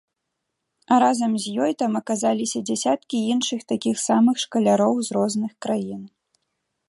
А разам з ёй там аказаліся дзясяткі іншых такіх самых шкаляроў з розных краін.